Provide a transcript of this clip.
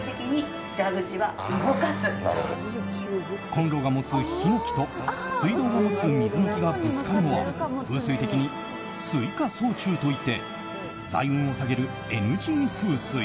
コンロが持つ火の気と水道が持つ水の気がぶつかるのは風水的に水火相沖といって財運を下げるＮＧ風水。